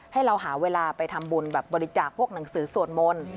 ให้เราหาเวลาไปทำบุญแบบบริจาคพวกหนังสือสวดมนต์